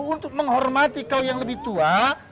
untuk menghormati kau yang lebih tua